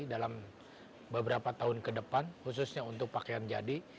dalam beberapa tahun ke depan khususnya untuk pakaian jadi